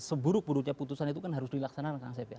seburuk buruknya putusan itu kan harus dilaksanakan kang safir